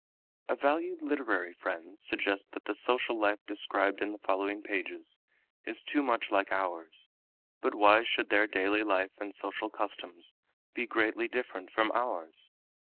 A valued literary friend suggests that the social life described in the following pages is too much like ours, but why should their daily life and social customs be greatly different from ours?